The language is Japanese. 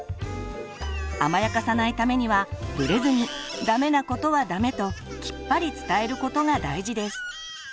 甘やかさないためにはぶれずに「ダメ」なことは「ダメ」ときっぱり伝えることが大事です。